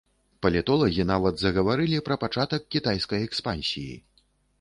Палітолагі нават загаварылі пра пачатак кітайскай экспансіі.